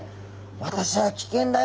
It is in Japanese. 「私は危険だよ。